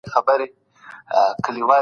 او له هغه وروسته دا نوم.